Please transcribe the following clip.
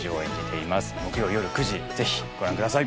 木曜よる９時ぜひご覧ください。